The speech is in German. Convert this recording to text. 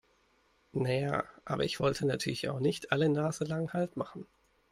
Na ja, aber ich wollte natürlich auch nicht alle naselang Halt machen.